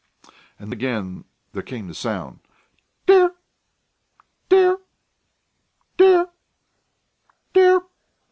And again there came the sound: "Dair ...